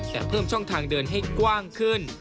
และเพิ่มช่องทางเดินให้กว้างขึ้น